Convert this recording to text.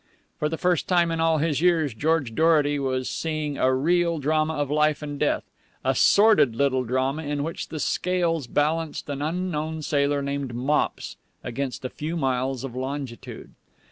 For the first time in all his years, George Dorety was seeing a real drama of life and death a sordid little drama in which the scales balanced an unknown sailor named Mops against a few miles of longitude.